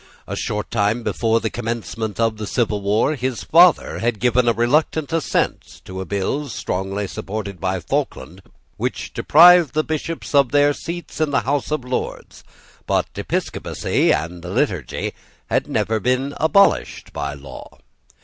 A short time before the commencement of the civil war, his father had given a reluctant assent to a bill, strongly supported by Falkland, which deprived the Bishops of their seats in the House of Lords: but Episcopacy and the Liturgy had never been abolished by law.